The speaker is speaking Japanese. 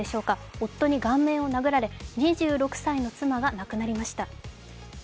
夫に顔面を殴られ２６歳の妻が亡くなりました。